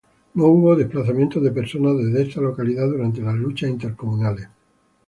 No hubo desplazamientos de personas desde esta localidad durante las luchas intercomunales.